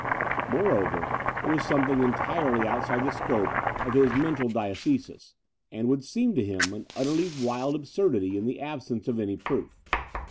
Moreover, it was something entirely out side the scope of his mental diathesis, and would seem to him an utterly wild absurdity in the absence of any proof.